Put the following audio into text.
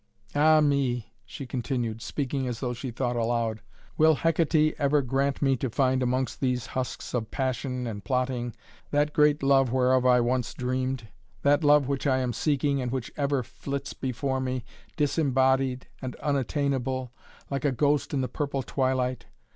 "Ah me!" she continued, speaking as though she thought aloud. "Will Hekaté ever grant me to find amongst these husks of passion and plotting that great love whereof once I dreamed, that love which I am seeking and which ever flits before me, disembodied and unattainable, like a ghost in the purple twilight?